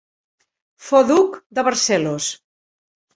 Fou Duc de Barcelos.